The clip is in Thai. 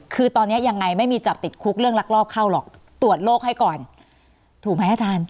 คือตอนนี้ยังไงไม่มีจับติดคุกเรื่องลักลอบเข้าหรอกตรวจโรคให้ก่อนถูกไหมอาจารย์